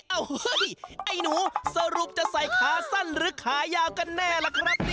โอ้โหไอ้หนูสรุปจะใส่ขาสั้นหรือขายาวกันแน่ล่ะครับ